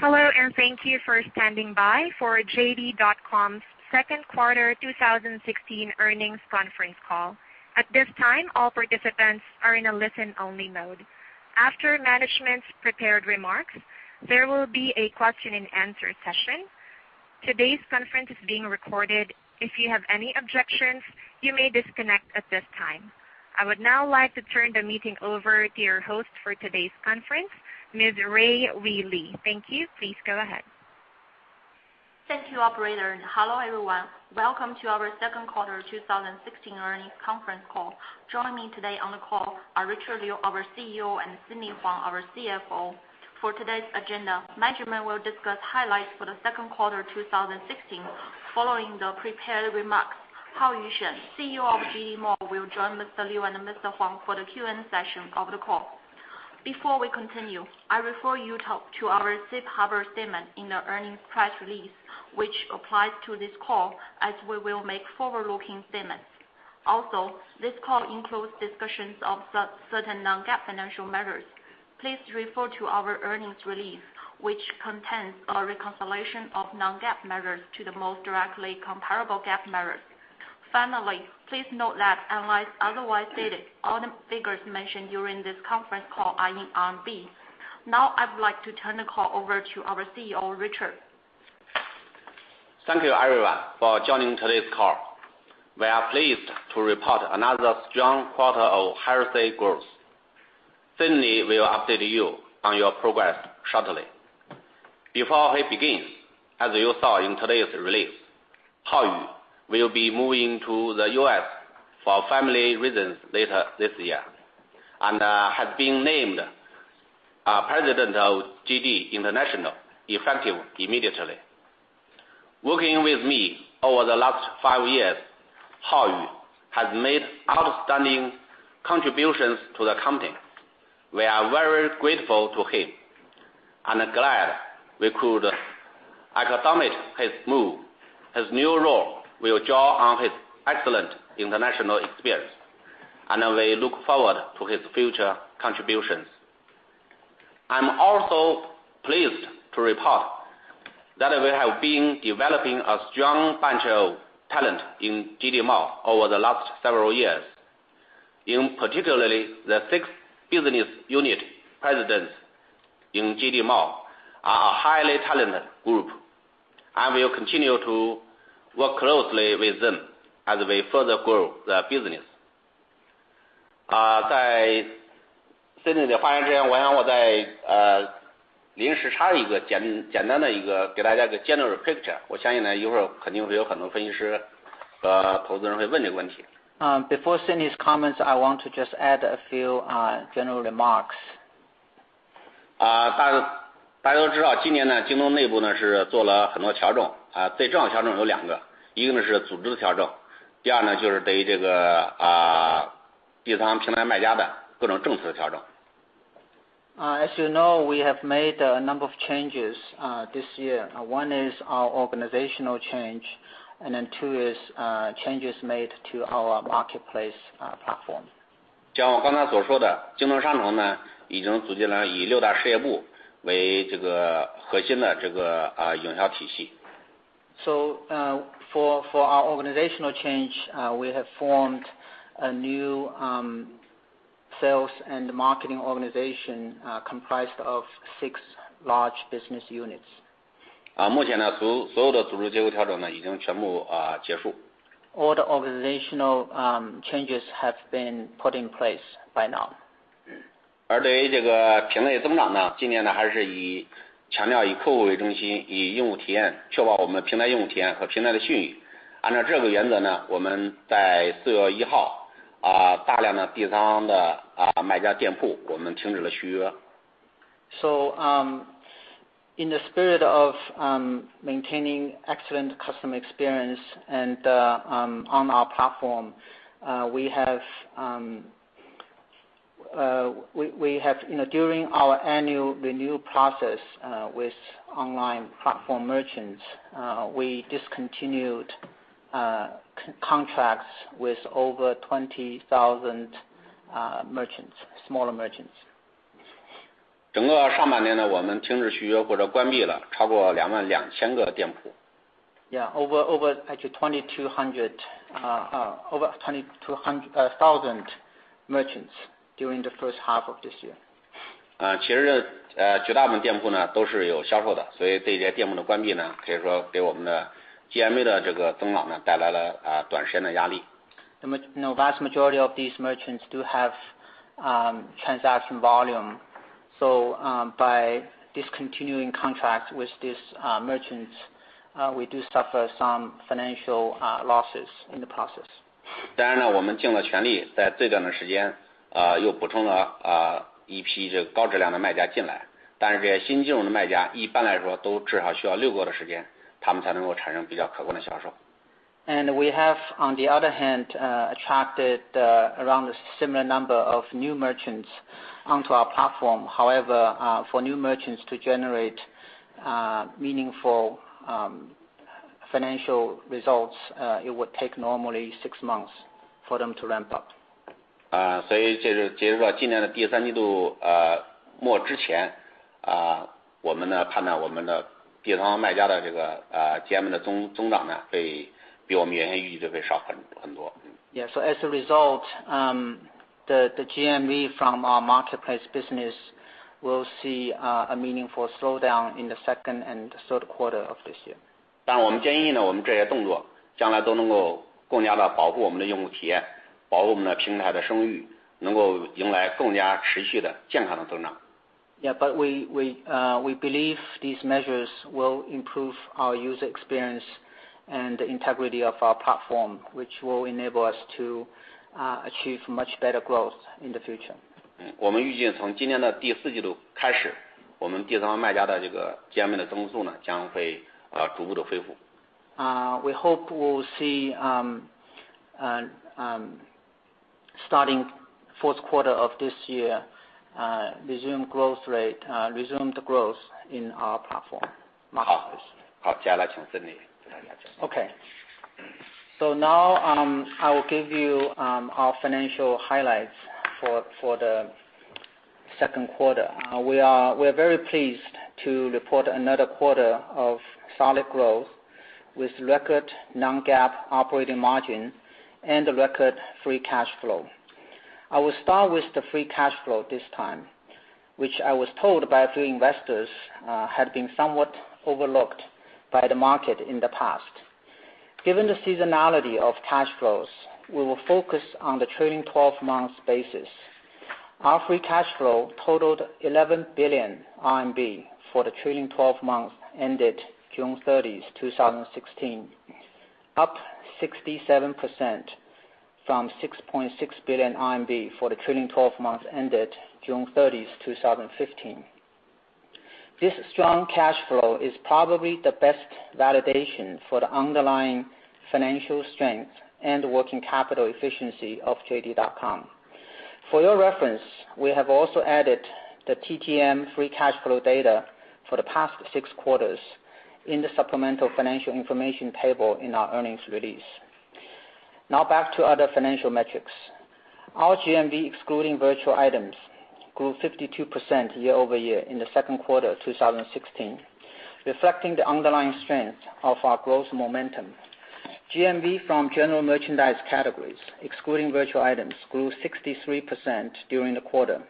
Hello, thank you for standing by for JD.com's second quarter 2016 earnings conference call. At this time, all participants are in a listen-only mode. After management's prepared remarks, there will be a question and answer session. Today's conference is being recorded. If you have any objections, you may disconnect at this time. I would now like to turn the meeting over to your host for today's conference, Ms. Ruiyu Li. Thank you. Please go ahead. Thank you, operator. Hello, everyone. Welcome to our second quarter 2016 earnings conference call. Joining me today on the call are Richard Liu, our CEO, and Sidney Huang, our CFO. For today's agenda, management will discuss highlights for the second quarter 2016. Following the prepared remarks, Haoyu Shen, CEO of JD Mall, will join Mr. Liu and Mr. Huang for the Q&A session of the call. Before we continue, I refer you to our safe harbor statement in the earnings press release, which applies to this call, as we will make forward-looking statements. Also, this call includes discussions of certain non-GAAP financial measures. Please refer to our earnings release, which contains a reconciliation of non-GAAP measures to the most directly comparable GAAP measures. Finally, please note that unless otherwise stated, all the figures mentioned during this conference call are in RMB. Now I would like to turn the call over to our CEO, Richard. Thank you, everyone, for joining today's call. We are pleased to report another strong quarter of healthy growth. Sidney will update you on your progress shortly. Before he begins, as you saw in today's release, Haoyu will be moving to the U.S. for family reasons later this year, has been named President of JD International effective immediately. Working with me over the last five years, Haoyu has made outstanding contributions to the company. We are very grateful to him and are glad we could accommodate his move. His new role will draw on his excellent international experience, and we look forward to his future contributions. I'm also pleased to report that we have been developing a strong bunch of talent in JD Mall over the last several years. In particular, the six business unit presidents in JD Mall are a highly talented group. I will continue to work closely with them as we further grow the business. Before Sidney Huang's comments, I want to just add a few general remarks. As you know, we have made a number of changes this year. One is our organizational change, two is changes made to our marketplace platform. For our organizational change, we have formed a new sales and marketing organization comprised of six large business units. All the organizational changes have been put in place by now. In the spirit of maintaining excellent customer experience on our platform, during our annual renewal process with online platform merchants, we discontinued contracts with over 20,000 smaller merchants. Yeah, over 22,000 merchants during the first half of this year. The vast majority of these merchants do have transaction volume. By discontinuing contracts with these merchants, we do suffer some financial losses in the process. We have, on the other hand, attracted around a similar number of new merchants onto our platform. However, for new merchants to generate meaningful financial results, it would take normally six months for them to ramp up. 所以这是截至到今年的第三季度末之前，我们的判断，我们的第三方卖家的这个GMV的增长比我们原先预期的会少很多。Yeah. As a result, the GMV from our marketplace business will see a meaningful slowdown in the second and third quarter of this year. 但我们坚信我们这些动作将来都能够更加地保护我们的用户体验，保护我们的平台的声誉，能够迎来更加持续的健康的增长。We believe these measures will improve our user experience and the integrity of our platform, which will enable us to achieve much better growth in the future. 我们预计从今年的第四季度开始，我们第三方卖家的这个GMV的增速将会逐步地恢复。We hope we'll see, starting fourth quarter of this year, resumed growth in our platform marketplace. 好，接下来请Sidney。I will give you our financial highlights for the second quarter. We are very pleased to report another quarter of solid growth, with record non-GAAP operating margin and record free cash flow. I will start with the free cash flow this time, which I was told by a few investors had been somewhat overlooked by the market in the past. Given the seasonality of cash flows, we will focus on the trailing 12 months basis. Our free cash flow totaled 11 billion RMB for the trailing 12 months ended June 30, 2016, up 67% from 6.6 billion RMB for the trailing 12 months ended June 30, 2015. This strong cash flow is probably the best validation for the underlying financial strength and working capital efficiency of JD.com. For your reference, we have also added the TTM free cash flow data for the past six quarters in the supplemental financial information table in our earnings release. Back to other financial metrics. Our GMV, excluding virtual items, grew 52% year-over-year in the second quarter of 2016, reflecting the underlying strength of our growth momentum. GMV from General Merchandise categories, excluding virtual items, grew 63% during the quarter.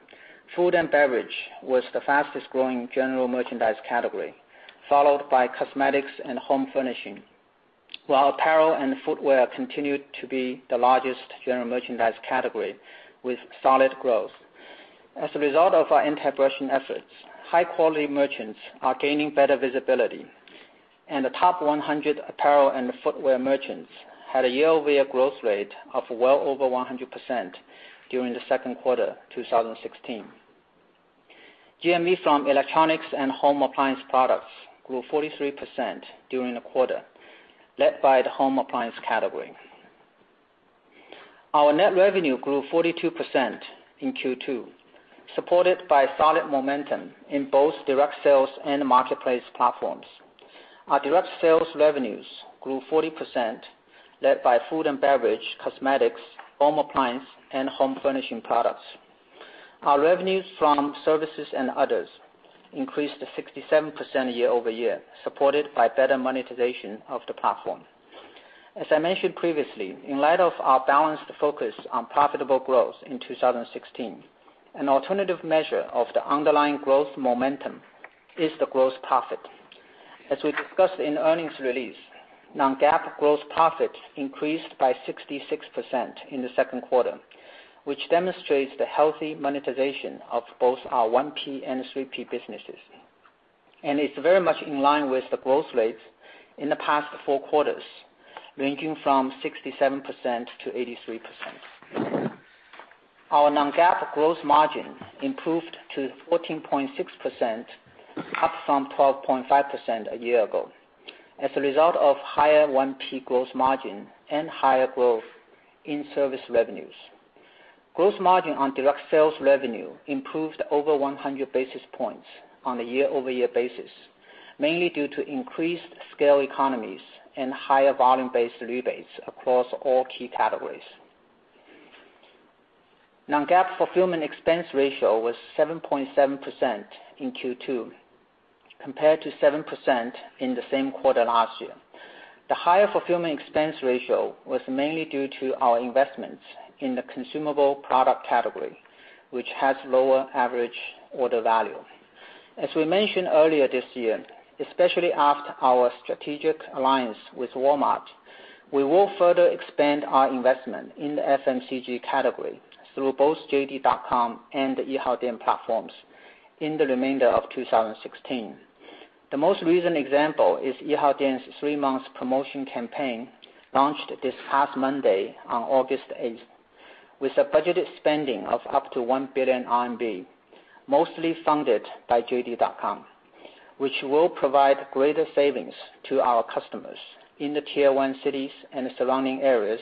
Food and Beverage was the fastest-growing General Merchandise category, followed by Cosmetics and Home Furnishing, while Apparel and Footwear continued to be the largest General Merchandise category, with solid growth. As a result of our integration efforts, high-quality merchants are gaining better visibility, and the top 100 Apparel and Footwear merchants had a year-over-year growth rate of well over 100% during the second quarter 2016. GMV from Electronics and Home Appliance products grew 43% during the quarter, led by the Home Appliance category. Our net revenue grew 42% in Q2, supported by solid momentum in both direct sales and marketplace platforms. Our direct sales revenues grew 40%, led by Food and Beverage, Cosmetics, Home Appliance, and Home Furnishing products. Our revenues from services and others increased 67% year-over-year, supported by better monetization of the platform. As I mentioned previously, in light of our balanced focus on profitable growth in 2016, an alternative measure of the underlying growth momentum is the gross profit. As we discussed in earnings release, non-GAAP gross profits increased by 66% in the second quarter, which demonstrates the healthy monetization of both our 1P and 3P businesses, and it's very much in line with the growth rates in the past four quarters, ranging from 67%-83%. Our non-GAAP gross margin improved to 14.6%, up from 12.5% a year ago, as a result of higher 1P gross margin and higher growth in service revenues. Gross margin on direct sales revenue improved over 100 basis points on a year-over-year basis, mainly due to increased scale economies and higher volume-based rebates across all key categories. Non-GAAP fulfillment expense ratio was 7.7% in Q2, compared to 7% in the same quarter last year. The higher fulfillment expense ratio was mainly due to our investments in the consumable product category, which has lower average order value. As we mentioned earlier this year, especially after our strategic alliance with Walmart, we will further expand our investment in the FMCG category through both JD.com and the Yihaodian platforms in the remainder of 2016. The most recent example is Yihaodian's three-month promotion campaign, launched this past Monday on August 8, with a budgeted spending of up to 1 billion RMB, mostly funded by JD.com, which will provide greater savings to our customers in the Tier 1 cities and surrounding areas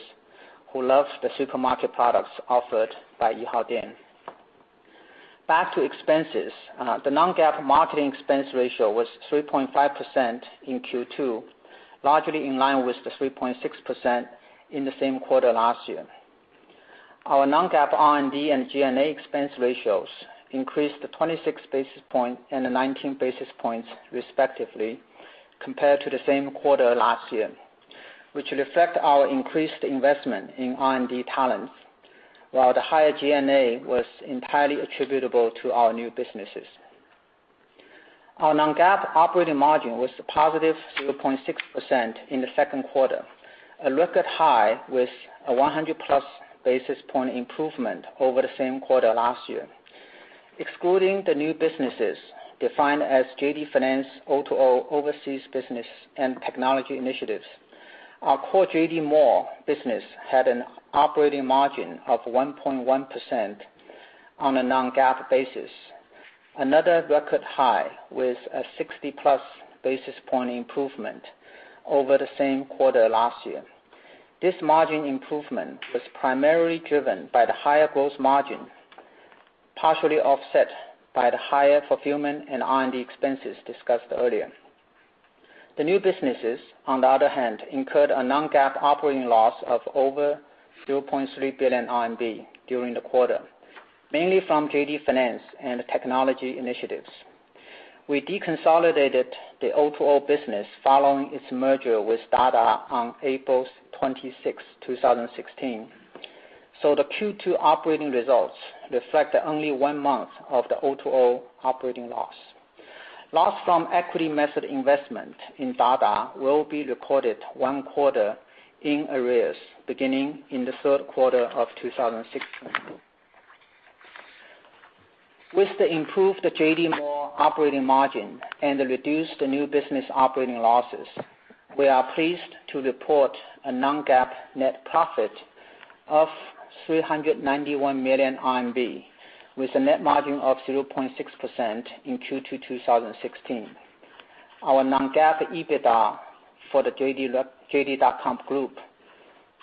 who love the supermarket products offered by Yihaodian. Back to expenses. The non-GAAP marketing expense ratio was 3.5% in Q2, largely in line with the 3.6% in the same quarter last year. Our non-GAAP R&D and G&A expense ratios increased 26 basis points and 19 basis points respectively compared to the same quarter last year, which will affect our increased investment in R&D talents, while the higher G&A was entirely attributable to our new businesses. Our non-GAAP operating margin was a positive 0.6% in the second quarter, a record high with a 100-plus basis point improvement over the same quarter last year. Excluding the new businesses defined as JD Finance, O2O overseas business, and technology initiatives, our core JD Mall business had an operating margin of 1.1% on a non-GAAP basis, another record high with a 60-plus basis point improvement over the same quarter last year. This margin improvement was primarily driven by the higher gross margin, partially offset by the higher fulfillment and R&D expenses discussed earlier. The new businesses, on the other hand, incurred a non-GAAP operating loss of over 0.3 billion RMB during the quarter, mainly from JD Finance and technology initiatives. We deconsolidated the O2O business following its merger with Dada on April 26, 2016. The Q2 operating results reflect only one month of the O2O operating loss. Loss from equity method investment in Dada will be recorded one quarter in arrears, beginning in the third quarter of 2016. With the improved JD Mall operating margin and the reduced new business operating losses, we are pleased to report a non-GAAP net profit of 391 million RMB with a net margin of 0.6% in Q2 2016. Our non-GAAP EBITDA for the JD.com group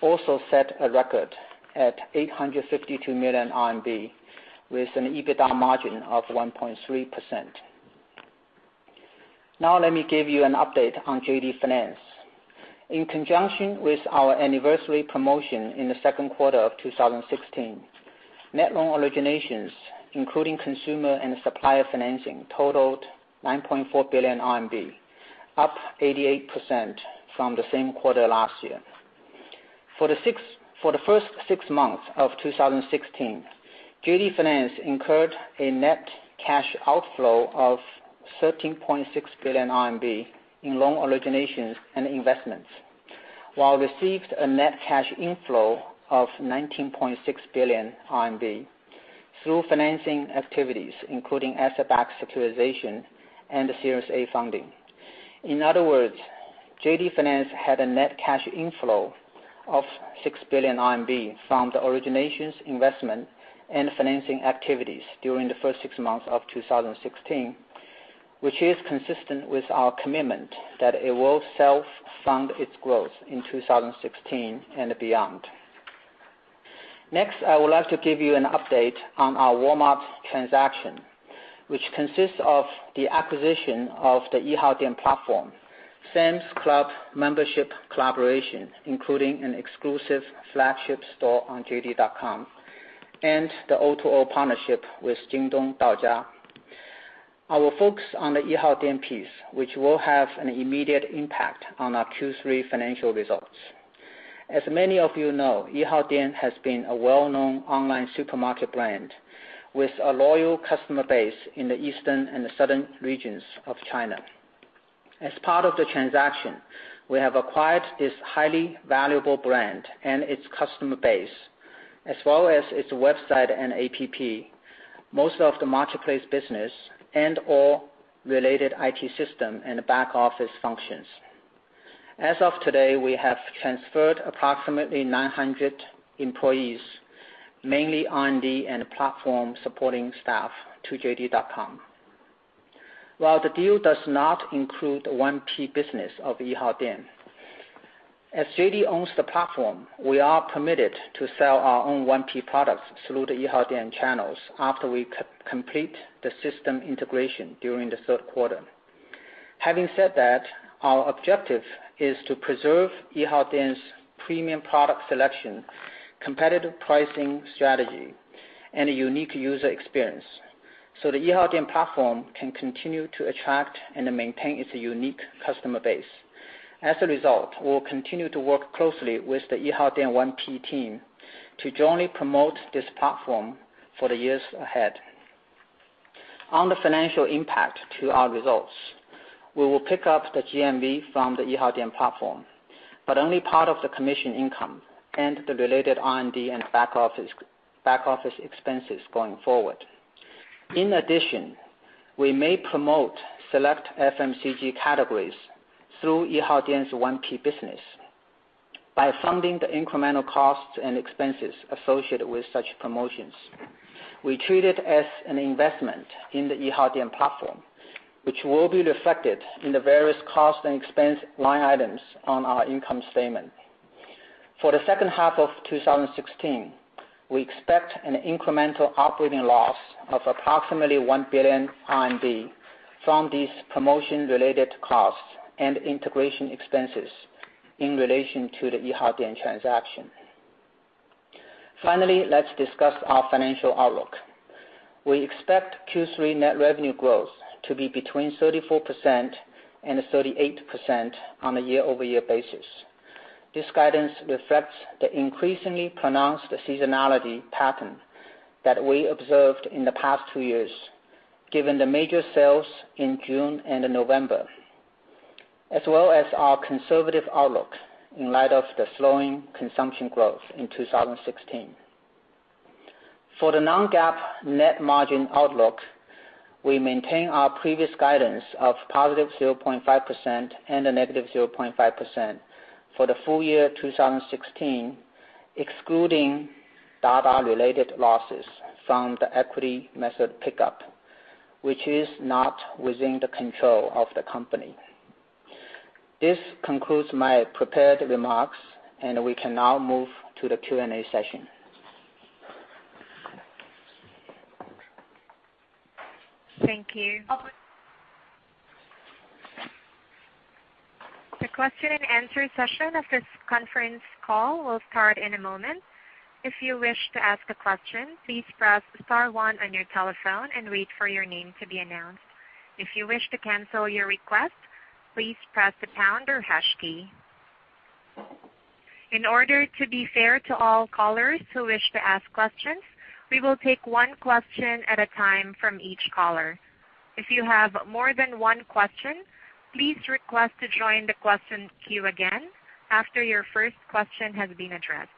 also set a record at 852 million RMB, with an EBITDA margin of 1.3%. Now let me give you an update on JD Finance. In conjunction with our anniversary promotion in the second quarter of 2016, net loan originations, including consumer and supplier financing, totaled 9.4 billion RMB, up 88% from the same quarter last year. For the first six months of 2016, JD Finance incurred a net cash outflow of 13.6 billion RMB in loan originations and investments while received a net cash inflow of 19.6 billion RMB through financing activities, including asset-backed securitization and Series A funding. In other words, JD Finance had a net cash inflow of 6 billion RMB from the originations, investment, and financing activities during the first six months of 2016, which is consistent with our commitment that it will self-fund its growth in 2016 and beyond. Next, I would like to give you an update on our warm-up transaction, which consists of the acquisition of the Yihaodian platform, Sam's Club membership collaboration, including an exclusive flagship store on JD.com, and the O2O partnership with Jingdong Daojia. I will focus on the Yihaodian piece, which will have an immediate impact on our Q3 financial results. As many of you know, Yihaodian has been a well-known online supermarket brand with a loyal customer base in the eastern and the southern regions of China. As part of the transaction, we have acquired this highly valuable brand and its customer base, as well as its website and APP, most of the marketplace business and all related IT system and the back-office functions. As of today, we have transferred approximately 900 employees, mainly R&D and platform supporting staff, to JD.com. While the deal does not include the 1P business of Yihaodian, as JD owns the platform, we are permitted to sell our own 1P products through the Yihaodian channels after we complete the system integration during the third quarter. Having said that, our objective is to preserve Yihaodian's premium product selection, competitive pricing strategy, and a unique user experience so the Yihaodian platform can continue to attract and maintain its unique customer base. As a result, we will continue to work closely with the Yihaodian 1P team to jointly promote this platform for the years ahead. On the financial impact to our results, we will pick up the GMV from the Yihaodian platform, but only part of the commission income and the related R&D and back-office expenses going forward. In addition, we may promote select FMCG categories through Yihaodian's 1P business by funding the incremental costs and expenses associated with such promotions. We treat it as an investment in the Yihaodian platform, which will be reflected in the various cost and expense line items on our income statement. For the second half of 2016, we expect an incremental operating loss of approximately 1 billion RMB from these promotion-related costs and integration expenses in relation to the Yihaodian transaction. Finally, let's discuss our financial outlook. We expect Q3 net revenue growth to be between 34% and 38% on a year-over-year basis. This guidance reflects the increasingly pronounced seasonality pattern that we observed in the past two years, given the major sales in June and November, as well as our conservative outlook in light of the slowing consumption growth in 2016. For the non-GAAP net margin outlook, we maintain our previous guidance of positive 0.5% and a negative 0.5% for the full year 2016, excluding Dada-related losses from the equity method pickup, which is not within the control of the company. This concludes my prepared remarks, and we can now move to the Q&A session. Thank you. The question and answer session of this conference call will start in a moment. If you wish to ask a question, please press star one on your telephone and wait for your name to be announced. If you wish to cancel your request, please press the pound or hash key. In order to be fair to all callers who wish to ask questions, we will take one question at a time from each caller. If you have more than one question, please request to join the question queue again after your first question has been addressed.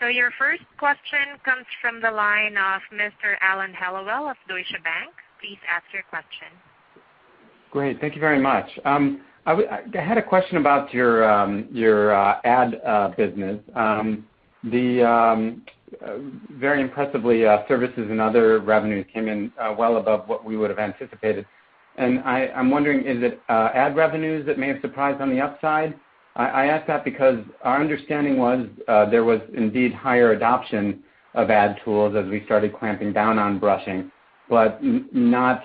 Your first question comes from the line of Mr. Alan Hellawell of Deutsche Bank. Please ask your question. Great. Thank you very much. I had a question about your ad business. Very impressively, services and other revenues came in well above what we would have anticipated. I'm wondering, is it ad revenues that may have surprised on the upside? I ask that because our understanding was there was indeed higher adoption of ad tools as we started clamping down on brushing, but not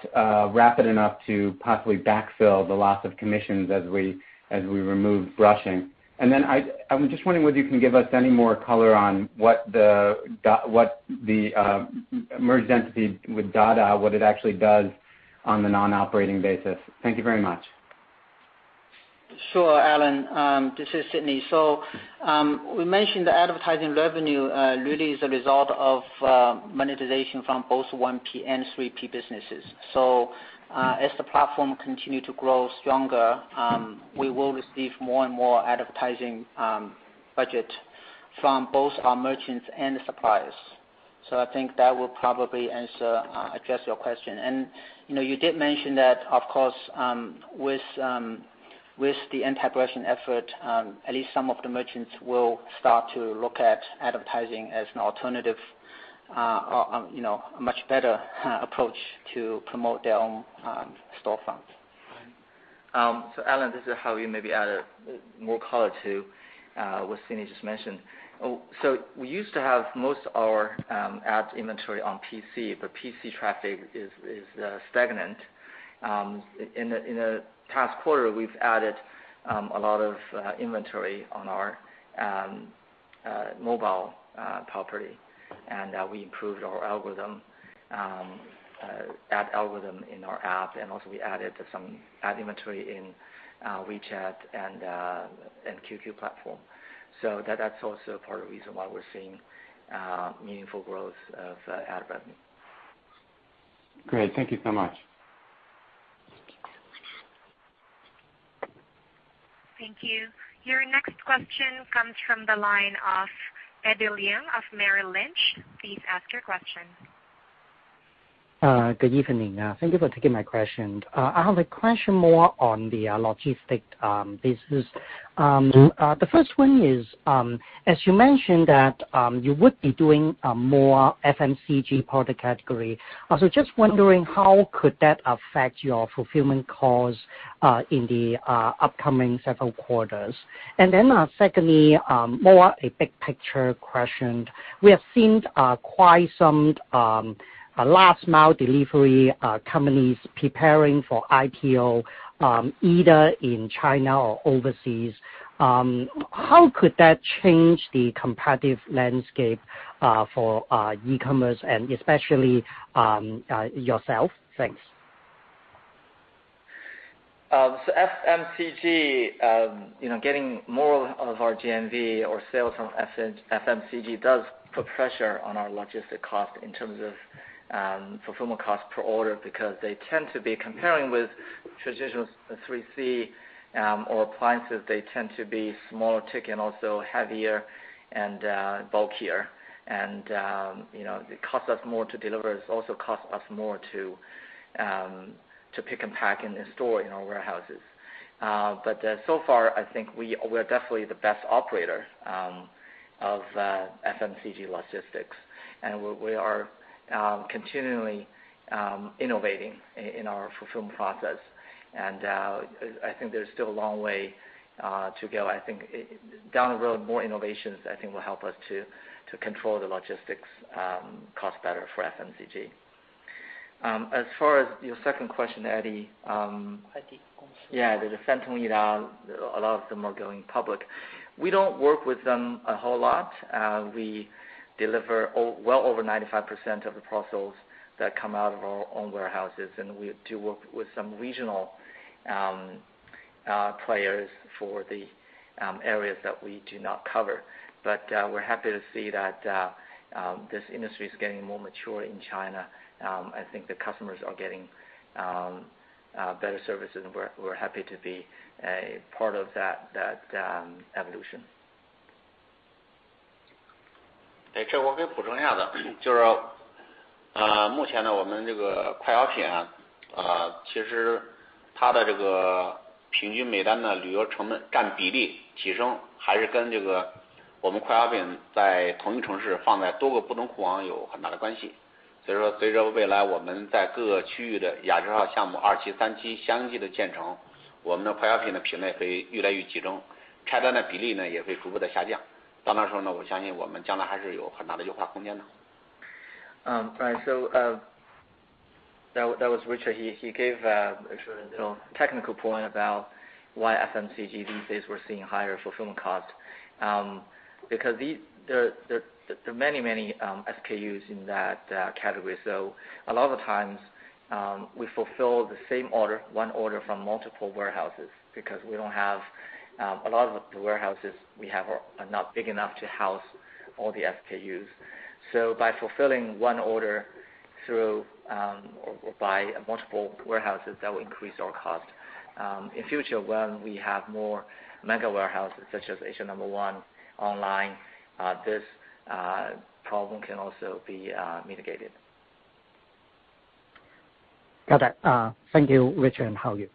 rapid enough to possibly backfill the loss of commissions as we removed brushing. I'm just wondering whether you can give us any more color on what the merged entity with Dada, what it actually does on the non-operating basis. Thank you very much. Sure, Alan. This is Sidney. We mentioned the advertising revenue really is a result of monetization from both 1P and 3P businesses. As the platform continue to grow stronger, we will receive more and more advertising budget from both our merchants and suppliers. I think that will probably address your question. You did mention that, of course, with the anti-brushing effort, at least some of the merchants will start to look at advertising as an alternative, a much better approach to promote their own storefront. Alan, this is Haoyu, maybe add more color to what Sidney just mentioned. We used to have most our ad inventory on PC, but PC traffic is stagnant. In the past quarter, we've added a lot of inventory on our mobile property, and we improved our ad algorithm in our APP. Also we added some ad inventory in WeChat and QQ platform. That's also part of the reason why we're seeing meaningful growth of ad revenue. Great. Thank you so much. Thank you. Your next question comes from the line of Eddie Leung of Merrill Lynch. Please ask your question. Good evening. Thank you for taking my question. I have a question more on the logistic business. The first one is, as you mentioned that you would be doing a more FMCG product category. Just wondering how could that affect your fulfillment costs in the upcoming several quarters? Secondly, more a big picture question. We have seen quite some last mile delivery companies preparing for IPO, either in China or overseas. How could that change the competitive landscape for e-commerce and especially yourself? Thanks. FMCG, getting more of our GMV or sales from FMCG does put pressure on our logistic cost in terms of fulfillment cost per order, because comparing with traditional 3C or appliances, they tend to be smaller ticket, also heavier and bulkier. It costs us more to deliver. It also costs us more to pick and pack and store in our warehouses. So far, I think we're definitely the best operator of FMCG logistics, and we are continually innovating in our fulfillment process, and I think there's still a long way to go. I think down the road, more innovations, I think, will help us to control the logistics cost better for FMCG. As far as your second question, Eddie. Eddie。The Santong Yida, a lot of them are going public. We don't work with them a whole lot. We deliver well over 95% of the parcels that come out of our own warehouses, and we do work with some regional players for the areas that we do not cover. We're happy to see that this industry is getting more mature in China. I think the customers are getting better services, and we're happy to be a part of that evolution. That was Richard. He gave a technical point about why FMCG, these days, we're seeing higher fulfillment costs. There are many SKUs in that category. A lot of times, we fulfill the same order, one order from multiple warehouses, because a lot of the warehouses we have are not big enough to house all the SKUs. By fulfilling one order by multiple warehouses, that will increase our cost. In future, when we have more mega warehouses, such as Asia No. 1 online, this problem can also be mitigated. Got it. Thank you, Richard and Haoyu.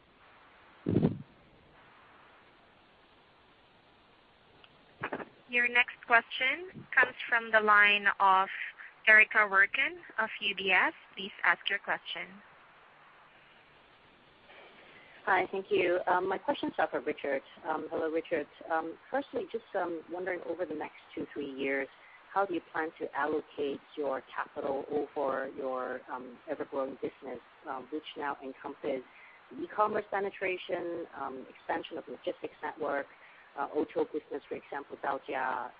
Your next question comes from the line of Erica Poon Werkun of UBS. Please ask your question. Hi, thank you. My question is for Richard. Hello, Richard. Firstly, just wondering over the next two, three years, how do you plan to allocate your capital over your ever-growing business, which now encompasses e-commerce penetration, expansion of logistics network, O2O business, for example, Daojia,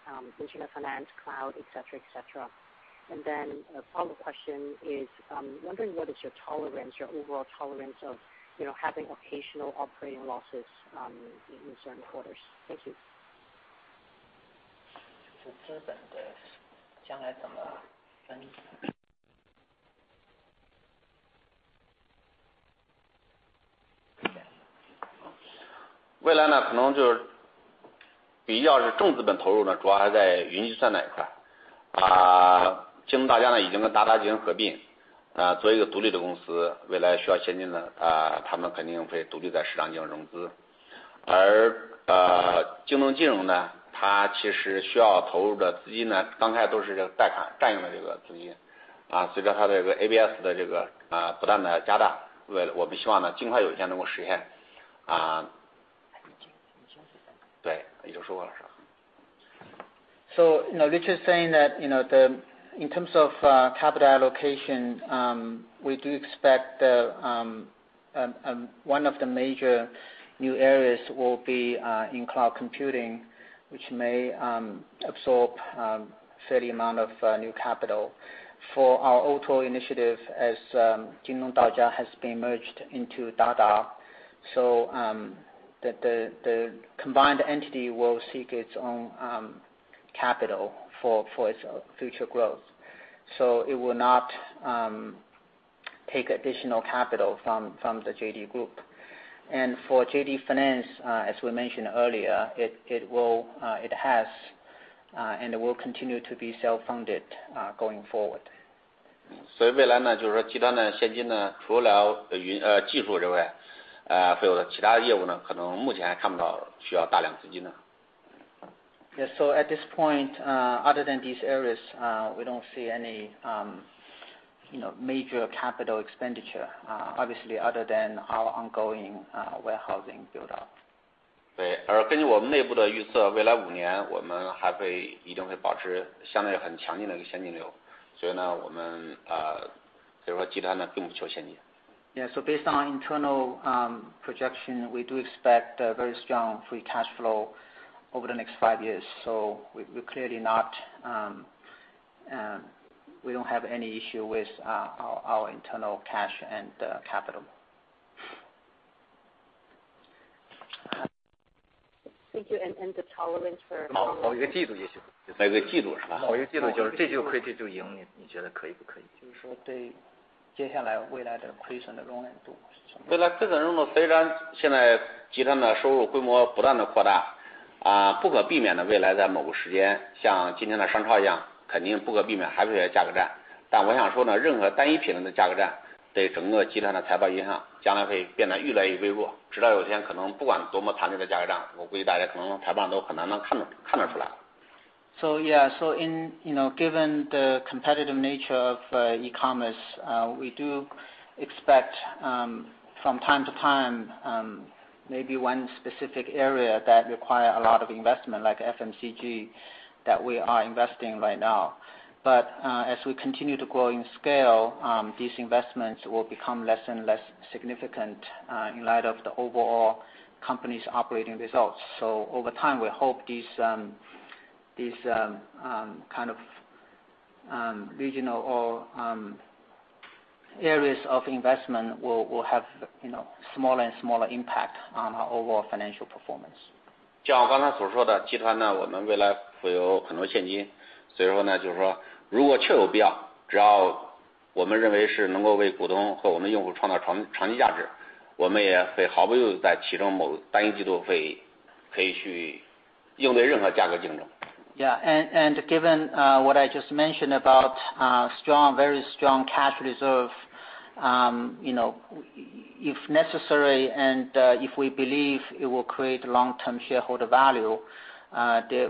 Internet finance, cloud, et cetera. Then a follow-up question is, I'm wondering what is your overall tolerance of having occasional operating losses in certain quarters. Thank you. Richard is saying that, in terms of capital allocation, we do expect one of the major new areas will be in cloud computing, which may absorb a fair amount of new capital. For our O2O initiative, as Jingdong Daojia has been merged into Dada, the combined entity will seek its own capital for its future growth. It will not take additional capital from the JD group. For JD Finance, as we mentioned earlier, it has and will continue to be self-funded going forward. Yes. At this point, other than these areas, we don't see any major capital expenditure, obviously, other than our ongoing warehousing build-out. Yeah. Based on our internal projection, we do expect a very strong free cash flow over the next five years. We don't have any issue with our internal cash and capital. Thank you. The tolerance for- Yeah, given the competitive nature of e-commerce, we do expect from time to time- Maybe one specific area that require a lot of investment, like FMCG, that we are investing right now. As we continue to grow in scale, these investments will become less and less significant in light of the overall company's operating results. Over time, we hope these kind of regional or areas of investment will have smaller and smaller impact on our overall financial performance. Yeah. Given what I just mentioned about very strong cash reserve, if necessary and if we believe it will create long-term shareholder value,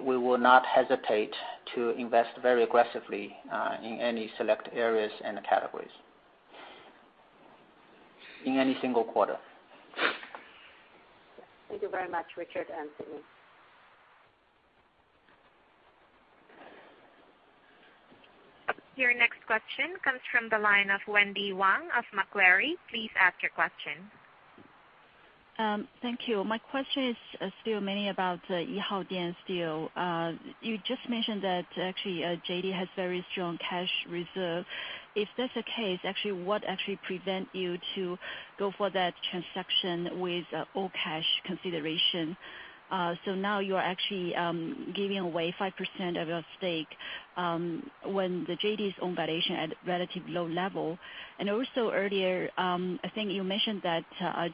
we will not hesitate to invest very aggressively in any select areas and categories in any single quarter. Thank you very much, Richard and Sidney. Your next question comes from the line of Wendy Wang of Macquarie. Please ask your question. Thank you. My question is still mainly about Yihaodian still. You just mentioned that actually JD has very strong cash reserve. If that's the case, what actually prevent you to go for that transaction with all-cash consideration? Now you are actually giving away 5% of your stake when the JD's own valuation at relative low level. Also earlier, I think you mentioned that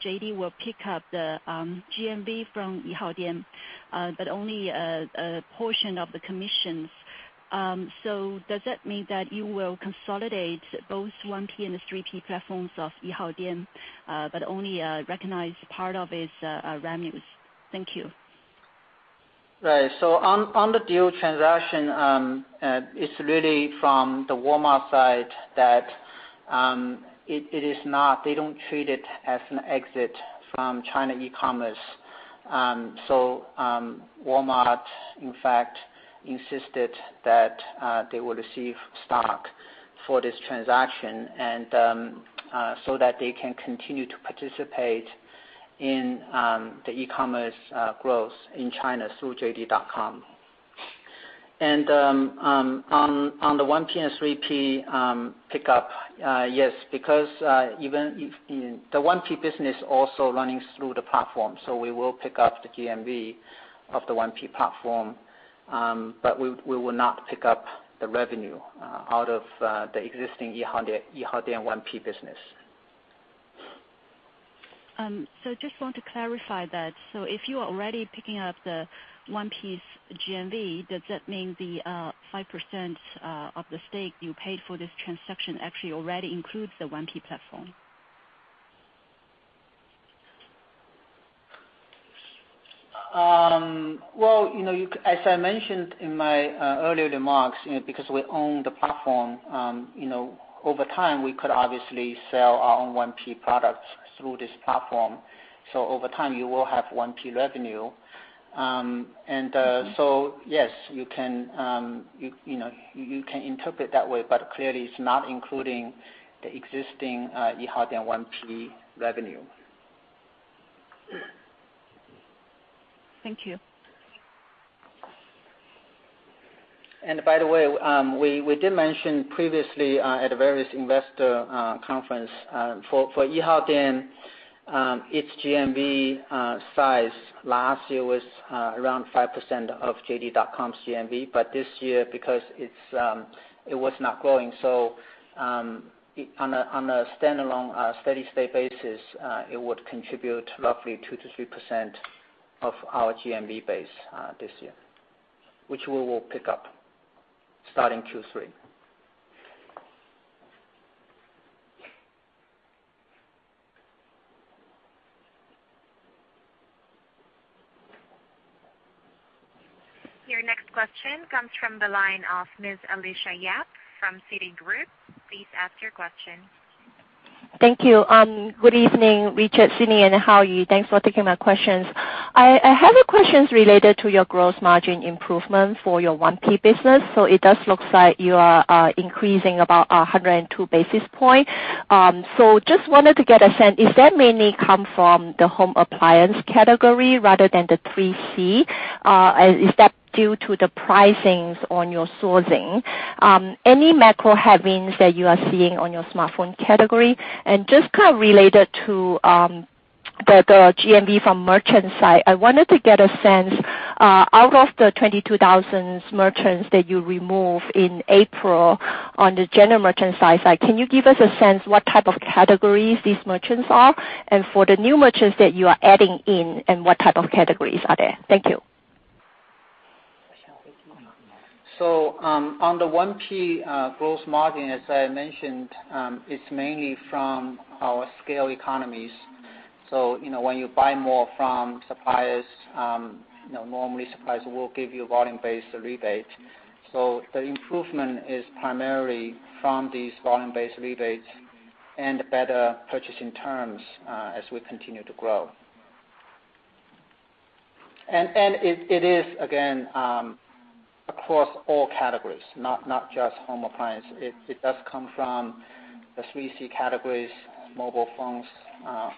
JD will pick up the GMV from Yihaodian, but only a portion of the commissions. Does that mean that you will consolidate both 1P and the 3P platforms of Yihaodian, but only recognize part of its revenues? Thank you. Right. On the deal transaction, it's really from the Walmart side that they don't treat it as an exit from China e-commerce. Walmart in fact insisted that they will receive stock for this transaction, and so that they can continue to participate in the e-commerce growth in China through JD.com. On the 1P and 3P pickup, yes, because even the 1P business also running through the platform. We will pick up the GMV of the 1P platform, but we will not pick up the revenue out of the existing Yihaodian 1P business. Just want to clarify that. If you are already picking up the 1P's GMV, does that mean the 5% of the stake you paid for this transaction actually already includes the 1P platform? Well, as I mentioned in my earlier remarks, because we own the platform, over time, we could obviously sell our own 1P products through this platform. Over time, you will have 1P revenue. Yes, you can interpret that way, but clearly it's not including the existing Yihaodian 1P revenue. Thank you. By the way, we did mention previously at various investor conference, for Yihaodian, its GMV size last year was around 5% of JD.com's GMV. This year, because it was not growing, on a standalone steady state basis, it would contribute roughly 2%-3% of our GMV base this year, which we will pick up starting Q3. Your next question comes from the line of Ms. Alicia Yap from Citigroup. Please ask your question. Thank you. Good evening, Richard, Sidney, and Haoyu. Thanks for taking my questions. I have a questions related to your gross margin improvement for your 1P business. It does look like you are increasing about 102 basis point. Just wanted to get a sense, is that mainly come from the home appliance category rather than the 3C? Is that due to the pricings on your sourcing? Any macro headwinds that you are seeing on your smartphone category? Just kind of related to the GMV from merchant side, I wanted to get a sense, out of the 22,000 merchants that you remove in April on the general merchant side site, can you give us a sense what type of categories these merchants are? For the new merchants that you are adding in, and what type of categories are they? Thank you. On the 1P gross margin, as I mentioned, it's mainly from our scale economies. When you buy more from suppliers, normally suppliers will give you volume-based rebate. The improvement is primarily from these volume-based rebates and better purchasing terms as we continue to grow. It is, again, across all categories, not just home appliance. It does come from the 3C categories, mobile phones,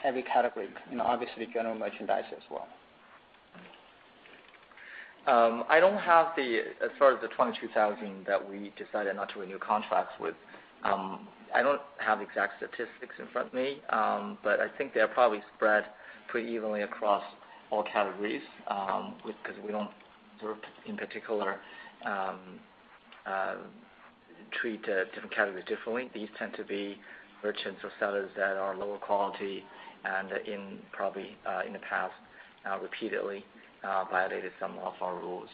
every category, obviously general merchandise as well. I don't have the, as far as the 22,000 that we decided not to renew contracts with. I don't have exact statistics in front of me, but I think they're probably spread pretty evenly across all categories, because we don't sort of, in particular, treat different categories differently. These tend to be merchants or sellers that are lower quality and, probably in the past, repeatedly violated some of our rules.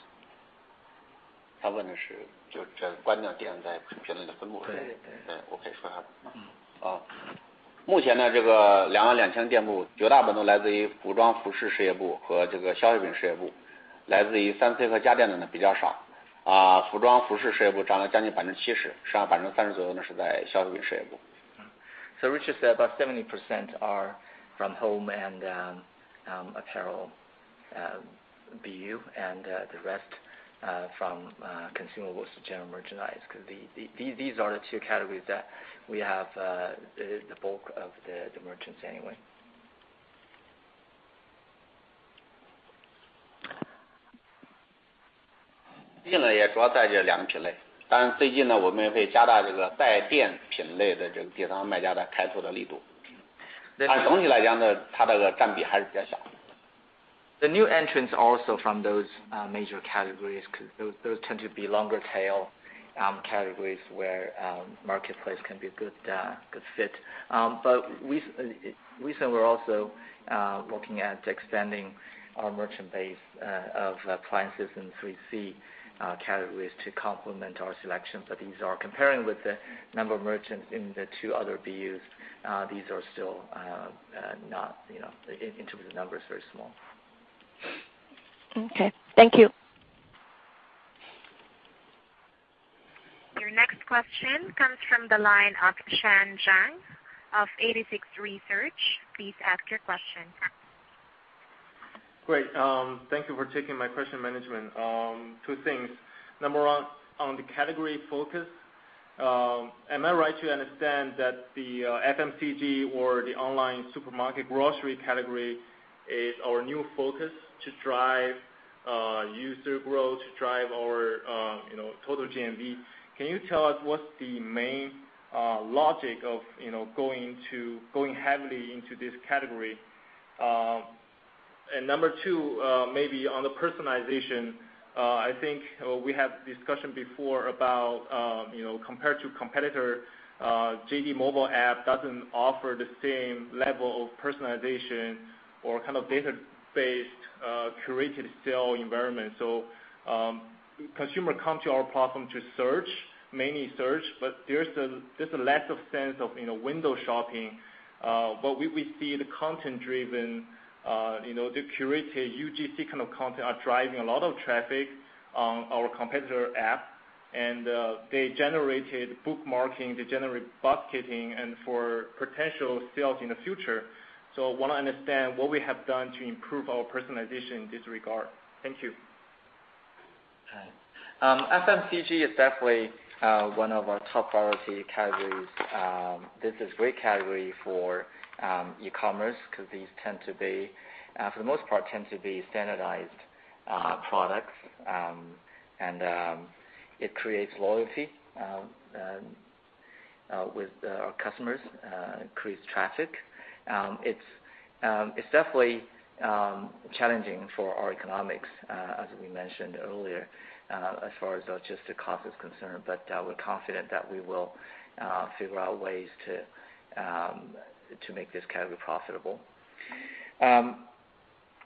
Richard said about 70% are from home and apparel BU, and the rest from consumables to general merchandise, because these are the two categories that we have the bulk of the merchants anyway. Recently, we're also looking at expanding our merchant base of appliances and 3C categories to complement our selection. These are comparing with the number of merchants in the two other BUs. These are still not in terms of the numbers, very small. Okay. Thank you. Your next question comes from the line of Sean Zhang of 86Research. Please ask your question. Great. Thank you for taking my question, management. Two things. Number 1, on the category focus, am I right to understand that the FMCG or the online supermarket grocery category is our new focus to drive user growth, to drive our total GMV? Can you tell us what's the main logic of going heavily into this category? Number 2, maybe on the personalization, I think we had discussion before about, compared to competitor, JD mobile APP doesn't offer the same level of personalization or kind of data-based, curated sale environment. Consumer come to our platform to search, mainly search, but there's a lack of sense of window shopping. We see the content-driven, the curated UGC kind of content are driving a lot of traffic on our competitor APP, and they generated bookmarking, they generate basketing and for potential sales in the future. We want to understand what we have done to improve our personalization in this regard. Thank you. FMCG is definitely one of our top priority categories. This is a great category for e-commerce because these, for the most part, tend to be standardized products. It creates loyalty with our customers, increases traffic. It's definitely challenging for our economics, as we mentioned earlier, as far as just the cost is concerned. We're confident that we will figure out ways to make this category profitable.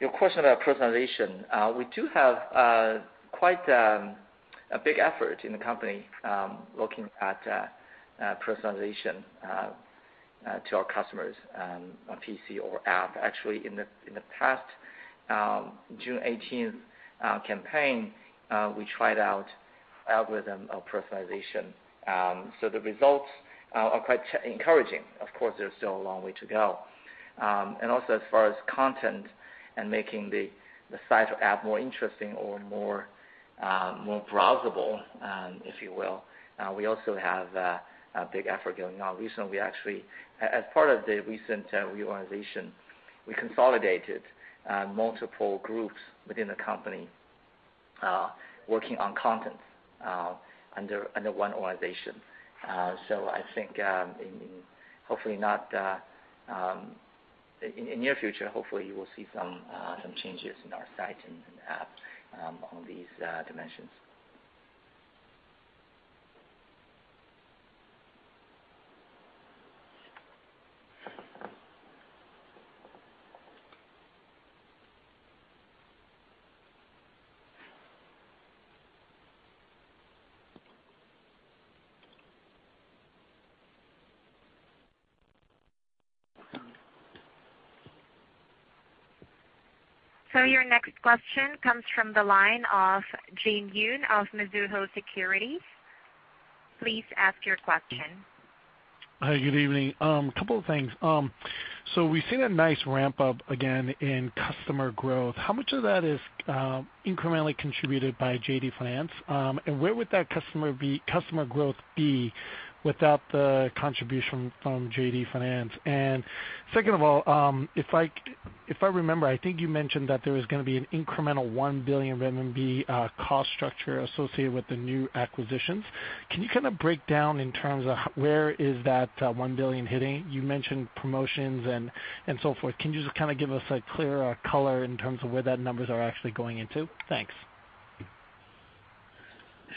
Your question about personalization, we do have quite a big effort in the company, looking at personalization to our customers on PC or app. Actually, in the past June 18 campaign, we tried out algorithm of personalization. The results are quite encouraging. Of course, there's still a long way to go. Also, as far as content and making the site or app more interesting or more browsable, if you will, we also have a big effort going on. As part of the recent reorganization, we consolidated multiple groups within the company, working on content under one organization. I think, in the near future, hopefully you will see some changes in our site and app on these dimensions. Your next question comes from the line of Jin Yoon of Mizuho Securities. Please ask your question. Hi, good evening. Couple of things. We've seen a nice ramp-up again in customer growth. How much of that is incrementally contributed by JD Finance? Where would that customer growth be without the contribution from JD Finance? Second of all, if I remember, I think you mentioned that there was going to be an incremental 1 billion RMB cost structure associated with the new acquisitions. Can you kind of break down in terms of where is that 1 billion hitting? You mentioned promotions and so forth. Can you just kind of give us a clearer color in terms of where that numbers are actually going into? Thanks.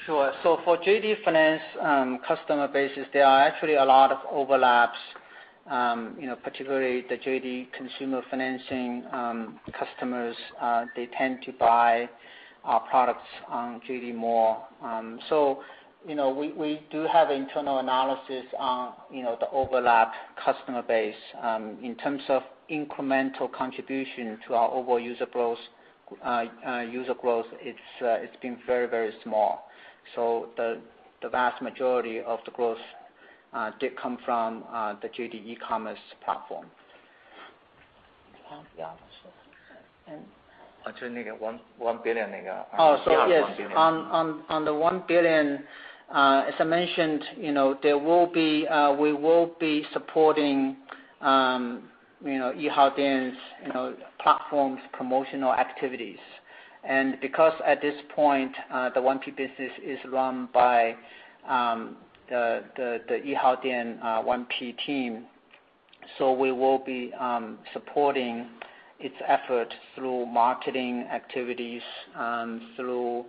Sure. For JD Finance customer bases, there are actually a lot of overlaps. Particularly the JD consumer financing customers, they tend to buy our products on JD more. We do have internal analysis on the overlap customer base. In terms of incremental contribution to our overall user growth, it's been very, very small. The vast majority of the growth did come from the JD eCommerce platform. RMB 1 billion. Oh, yes. Yeah, RMB 1 billion. On the 1 billion, as I mentioned, we will be supporting Yihaodian's platforms promotional activities. Because at this point, the 1P business is run by the Yihaodian 1P team, we will be supporting its effort through marketing activities, through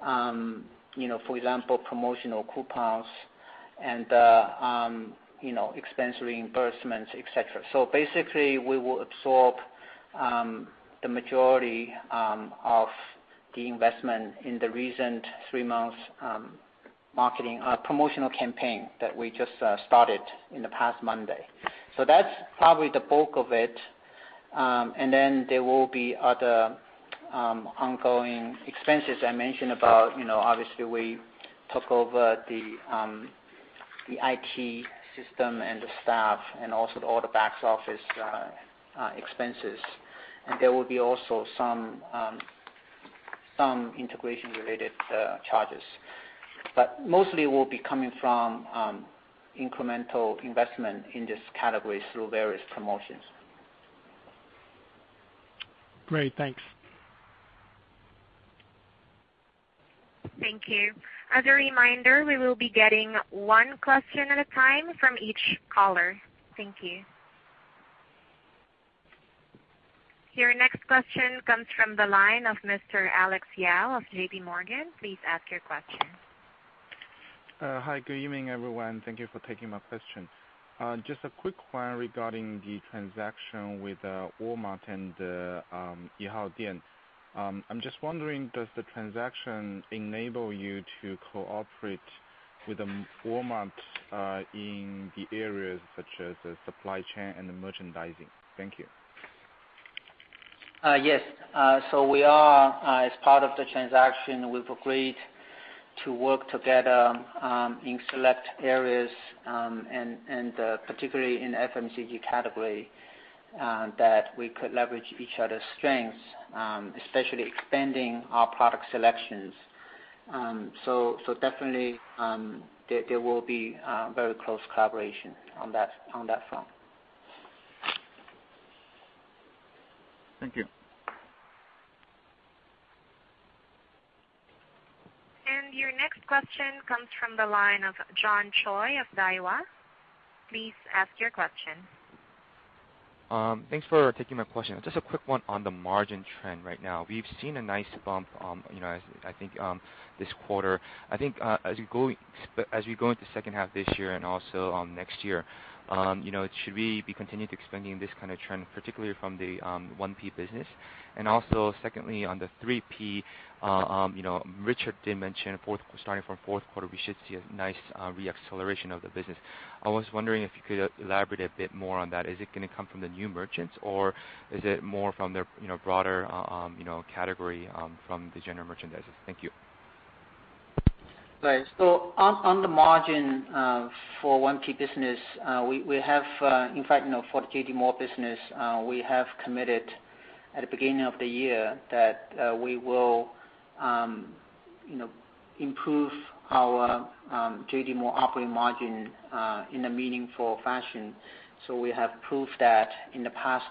for example, promotional coupons and expense reimbursements, et cetera. Basically, we will absorb the majority of the investment in the recent three months promotional campaign that we just started in the past Monday. That's probably the bulk of it, and then there will be other ongoing expenses I mentioned about, obviously, we took over the IT system and the staff and also all the back office expenses. There will be also some integration-related charges. Mostly will be coming from incremental investment in this category through various promotions. Great, thanks. Thank you. As a reminder, we will be getting one question at a time from each caller. Thank you. Your next question comes from the line of Mr. Alex Yao of JPMorgan. Please ask your question. Hi, good evening, everyone. Thank you for taking my question. Just a quick one regarding the transaction with Walmart and Yihaodian. I'm just wondering, does the transaction enable you to cooperate with Walmart in the areas such as the supply chain and the merchandising? Thank you. Yes. As part of the transaction, we've agreed to work together in select areas, and particularly in FMCG category, that we could leverage each other's strengths, especially expanding our product selections. Definitely, there will be very close collaboration on that front. Thank you. Your next question comes from the line of John Choi of Daiwa. Please ask your question. Thanks for taking my question. Just a quick one on the margin trend right now. We've seen a nice bump, I think, this quarter. I think as you go into second half this year and also next year, should we be continuing to expanding this kind of trend, particularly from the 1P business? Secondly, on the 3P, Richard did mention starting from fourth quarter, we should see a nice re-acceleration of the business. I was wondering if you could elaborate a bit more on that. Is it gonna come from the new merchants, or is it more from their broader category from the general merchandises? Thank you. Right. On the margin for 1P business, we have, in fact, for JD Mall business, we have committed at the beginning of the year that we will improve our JD Mall operating margin in a meaningful fashion. We have proved that in the past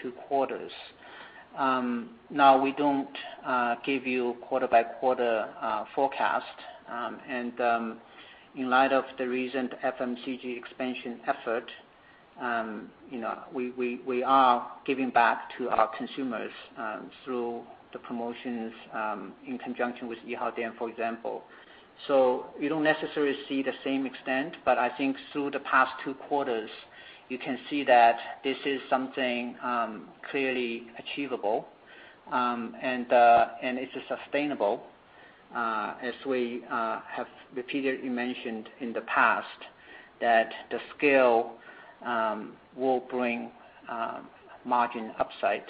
two quarters. Now we don't give you quarter-by-quarter forecast. In light of the recent FMCG expansion effort, we are giving back to our consumers through the promotions in conjunction with Yihaodian, for example. You don't necessarily see the same extent, but I think through the past two quarters, you can see that this is something clearly achievable. It's sustainable, as we have repeatedly mentioned in the past, that the scale will bring margin upside.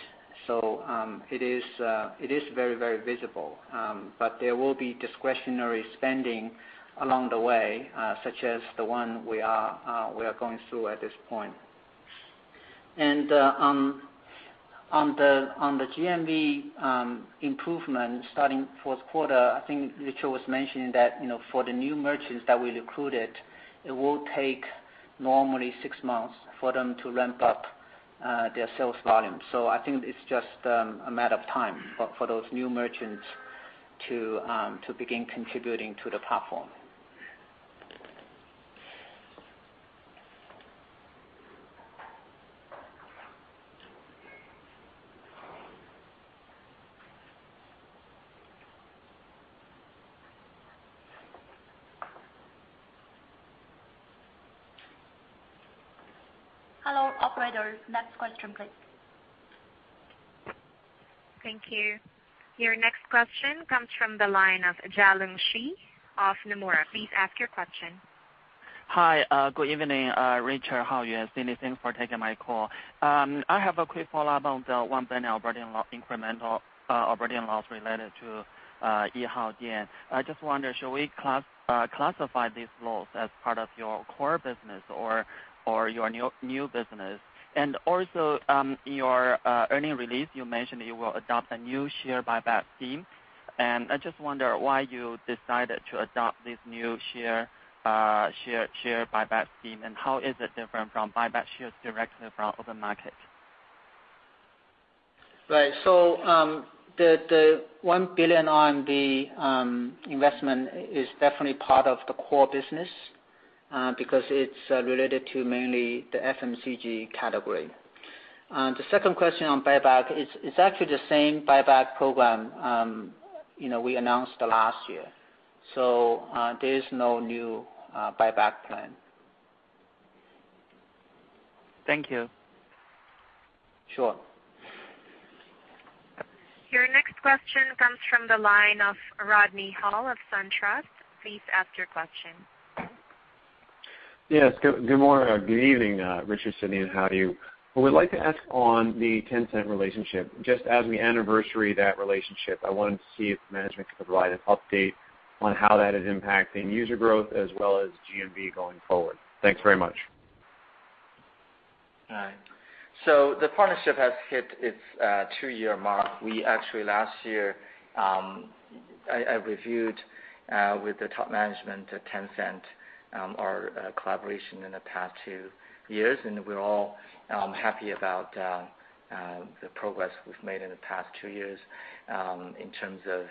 It is very visible. There will be discretionary spending along the way, such as the one we are going through at this point. On the GMV improvement starting fourth quarter, I think Richard was mentioning that, for the new merchants that we recruited, it will take normally six months for them to ramp up their sales volume. I think it's just a matter of time for those new merchants to begin contributing to the platform. Hello, operator, next question please. Thank you. Your next question comes from the line of Jialong Shi of Nomura. Please ask your question. Hi. Good evening, Richard, Haoyu Shen, Sidney. Thanks for taking my call. I have a quick follow-up on the 1 billion incremental operating loss related to Yihaodian. I just wonder, should we classify these losses as part of your core business or your new business? Also, in your earnings release, you mentioned that you will adopt a new share buyback scheme. I just wonder why you decided to adopt this new share buyback scheme, and how is it different from buyback shares directly from open market? Right. The 1 billion R&D investment is definitely part of the core business, because it's related to mainly the FMCG category. The second question on buyback, it's actually the same buyback program we announced last year. There is no new buyback plan. Thank you. Sure. Your next question comes from the line of Rodney Hall of SunTrust. Please ask your question. Yes. Good evening, Richard, Sidney, and Haoyu. I would like to ask on the Tencent relationship. Just as we anniversary that relationship, I wanted to see if management could provide an update on how that is impacting user growth as well as GMV going forward. Thanks very much. The partnership has hit its two-year mark. We actually, last year, I reviewed with the top management at Tencent, our collaboration in the past two years, and we're all happy about the progress we've made in the past two years in terms of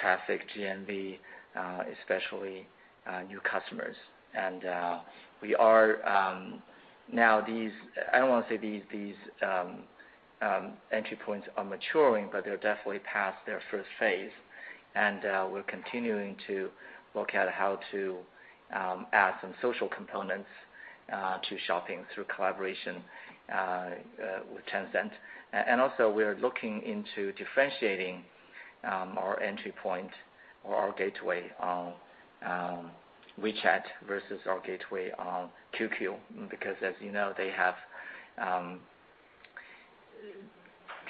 traffic, GMV, especially new customers. We are now, I don't want to say these entry points are maturing, but they're definitely past their first phase. We're continuing to look at how to add some social components to shopping through collaboration with Tencent. Also, we are looking into differentiating our entry point or our gateway on WeChat versus our gateway on QQ, because as you know, they have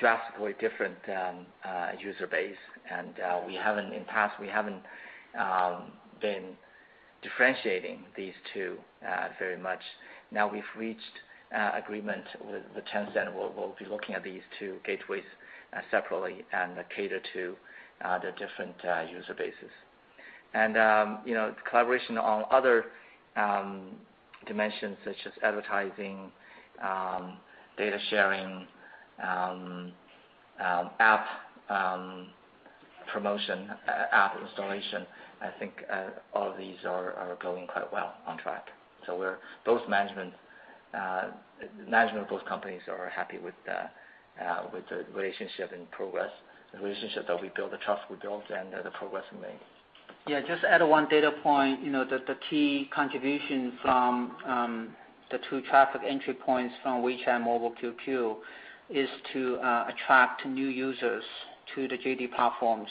drastically different user base, and in the past, we haven't been differentiating these two very much. Now we've reached agreement with Tencent, we'll be looking at these two gateways separately and cater to the different user bases. The collaboration on other dimensions, such as advertising, data sharing, app promotion, app installation, I think all of these are going quite well, on track. Management of both companies are happy with the relationship and progress, the relationship that we built, the trust we built, and the progress we made. Just to add one data point, the key contribution from the two traffic entry points from WeChat and Mobile QQ is to attract new users to the JD platform.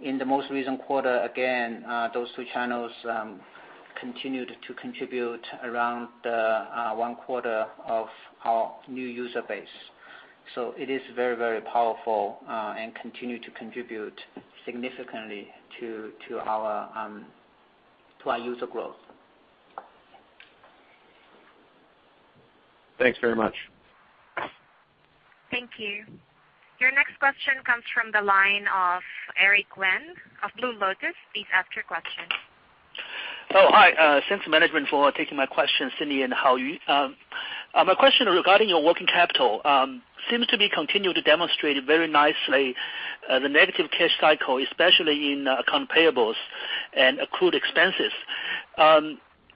In the most recent quarter, again, those two channels continued to contribute around one quarter of our new user base. It is very powerful and continue to contribute significantly to our user growth. Thanks very much. Thank you. Your next question comes from the line of Eric Wen of Blue Lotus. Please ask your question. Hi. Thanks management for taking my question, Sidney and Haoyu. My question regarding your working capital. Seems to be continued to demonstrate very nicely the negative cash cycle, especially in account payables and accrued expenses.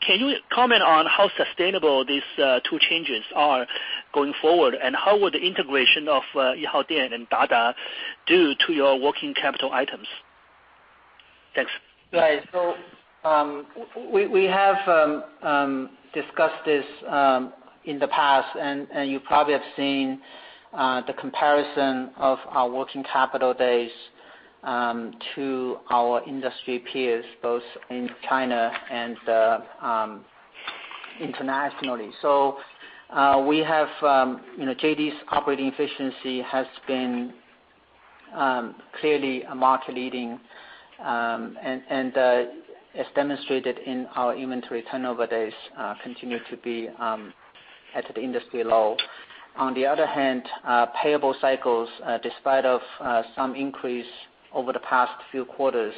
Can you comment on how sustainable these two changes are going forward, and how would the integration of Yihaodian and Dada do to your working capital items? Thanks. Right. We have discussed this in the past, and you probably have seen the comparison of our working capital days to our industry peers, both in China and internationally. JD's operating efficiency has been clearly market leading, and as demonstrated in our inventory turnover days, continue to be at the industry low. On the other hand, payable cycles, despite of some increase over the past few quarters,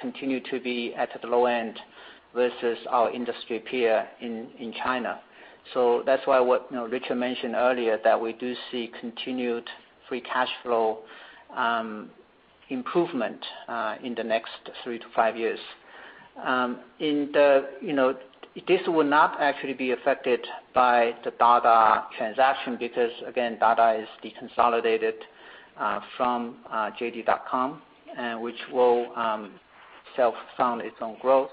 continue to be at the low end versus our industry peer in China. That's why what Richard mentioned earlier that we do see continued free cash flow improvement in the next three to five years. This will not actually be affected by the Dada transaction because, again, Dada is deconsolidated from JD.com, which will self-fund its own growth.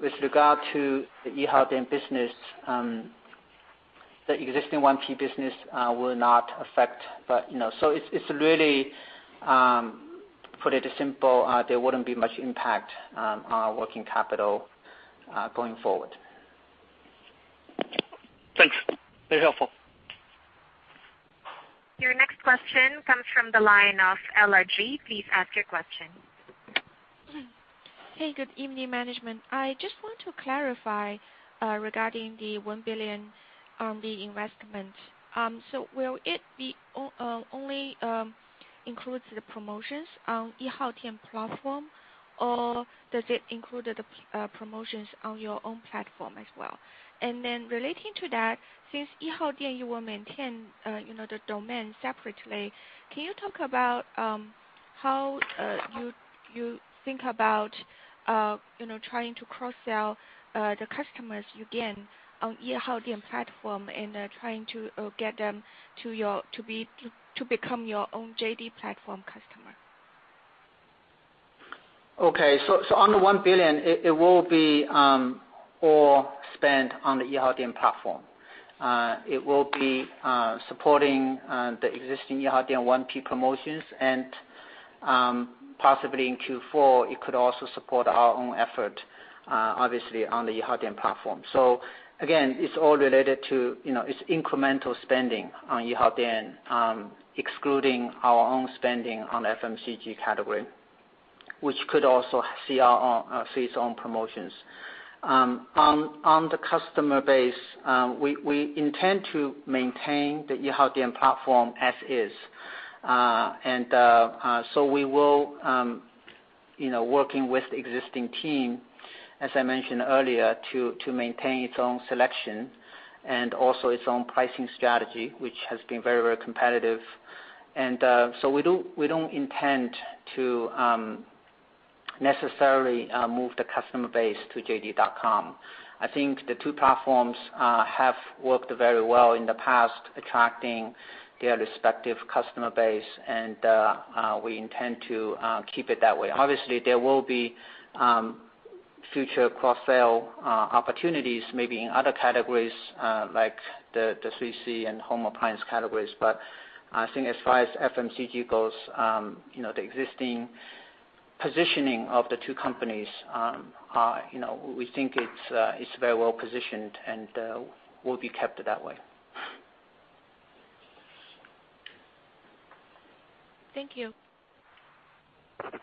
With regard to the Yihaodian business, the existing 1P business will not affect. It's really, to put it simple, there wouldn't be much impact on working capital going forward. Thanks. Very helpful. Your next question comes from the line of LRG. Please ask your question. Hey, good evening, management. I just want to clarify regarding the 1 billion investment. Will it only include the promotions on Yihaodian platform, or does it include the promotions on your own JD platform as well? Relating to that, since Yihaodian, you will maintain the domain separately, can you talk about how you think about trying to cross-sell the customers you gain on Yihaodian platform and trying to get them to become your own JD platform customer? Okay, on the 1 billion, it will be all spent on the Yihaodian platform. It will be supporting the existing Yihaodian 1P promotions and possibly in Q4, it could also support our own effort, obviously on the Yihaodian platform. Again, it's all related to incremental spending on Yihaodian, excluding our own spending on FMCG category, which could also see its own promotions. On the customer base, we intend to maintain the Yihaodian platform as is. We will be working with the existing team, as I mentioned earlier, to maintain its own selection and also its own pricing strategy, which has been very competitive. We don't intend to necessarily move the customer base to JD.com. I think the two platforms have worked very well in the past, attracting their respective customer base, and we intend to keep it that way. Obviously, there will be future cross-sell opportunities, maybe in other categories like the 3C and home appliance categories. I think as far as FMCG goes, the existing positioning of the two companies, we think it's very well-positioned and will be kept that way. Thank you.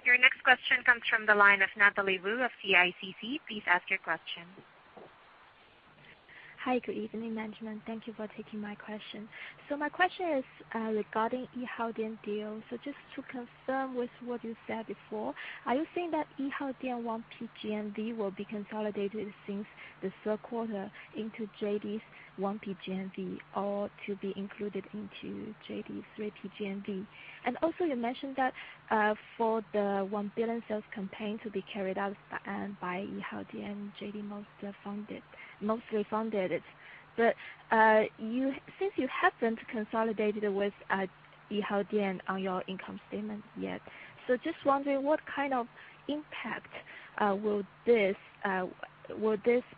Your next question comes from the line of Natalie Wu of CICC. Please ask your question. Hi, good evening, management. Thank you for taking my question. My question is regarding Yihaodian deal. Just to confirm with what you said before, are you saying that Yihaodian 1P GMV will be consolidated since the third quarter into JD's 1P GMV or to be included into JD's 3P GMV? You mentioned that for the 1 billion sales campaign to be carried out by Yihaodian, JD mostly funded it. Since you haven't consolidated with Yihaodian on your income statement yet, just wondering what kind of impact will this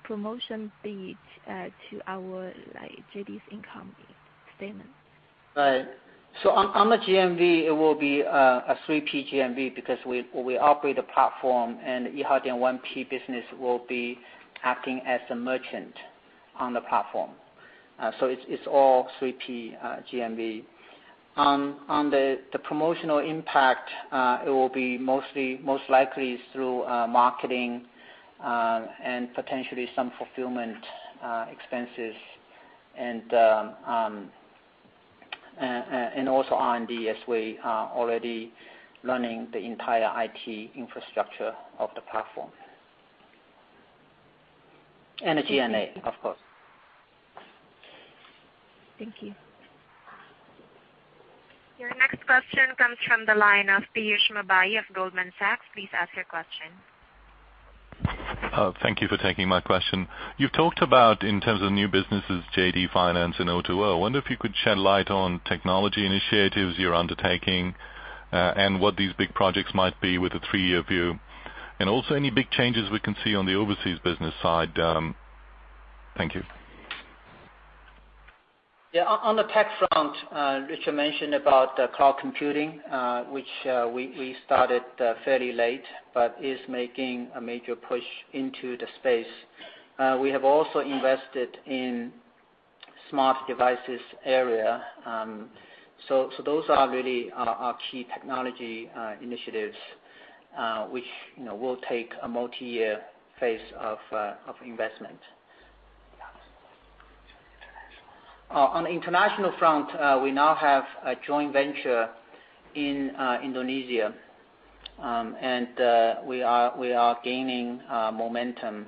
promotion be to JD's income statement? Right. On the GMV, it will be a 3P GMV because we operate a platform, and Yihaodian 1P business will be acting as a merchant on the platform. It's all 3P GMV. On the promotional impact, it will be most likely through marketing and potentially some fulfillment expenses, R&D, as we are already running the entire IT infrastructure of the platform. The G&A, of course. Thank you. Your next question comes from the line of Piyush Mubayi of Goldman Sachs. Please ask your question. Thank you for taking my question. You've talked about, in terms of new businesses, JD Finance and O2O. I wonder if you could shed light on technology initiatives you're undertaking, and what these big projects might be with a three-year view. Also, any big changes we can see on the overseas business side. Thank you. On the tech front, Richard mentioned about cloud computing, which we started fairly late, but is making a major push into the space. We have also invested in smart devices area. Those are really our key technology initiatives, which will take a multi-year phase of investment. On the international front, we now have a joint venture in Indonesia. We are gaining momentum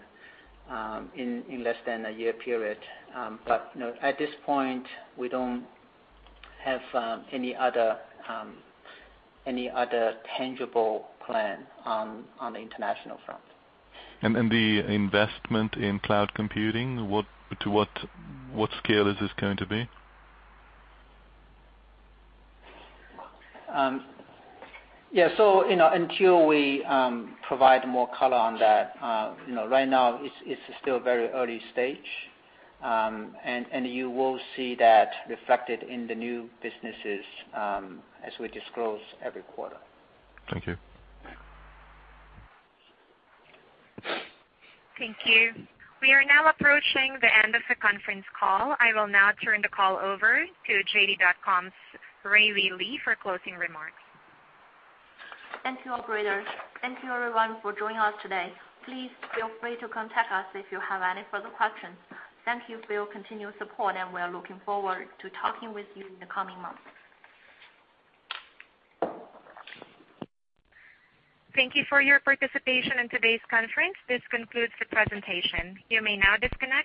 in less than a year period. At this point, we don't have any other tangible plan on the international front. The investment in cloud computing, what scale is this going to be? Until we provide more color on that, right now it's still very early stage. You will see that reflected in the new businesses as we disclose every quarter. Thank you. Thank you. We are now approaching the end of the conference call. I will now turn the call over to JD.com's Ruiyu Li for closing remarks. Thank you, operator. Thank you, everyone, for joining us today. Please feel free to contact us if you have any further questions. Thank you for your continued support, and we're looking forward to talking with you in the coming months. Thank you for your participation in today's conference. This concludes the presentation. You may now disconnect.